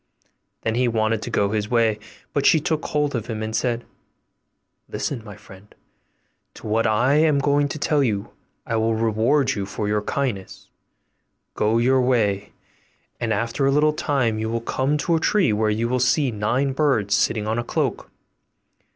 Then he wanted to go his way; but she took hold of him, and said, 'Listen, my friend, to what I am going to tell you; I will reward you for your kindness; go your way, and after a little time you will come to a tree where you will see nine birds sitting on a cloak.